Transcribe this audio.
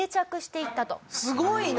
すごいな。